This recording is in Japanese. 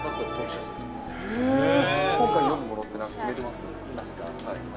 今回読むものとかって、決めてます？